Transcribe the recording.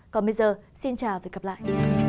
còn bây giờ xin chào và hẹn gặp lại